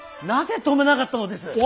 なぜ止めなかったのです！